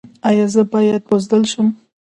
ایا زه باید بزدل شم؟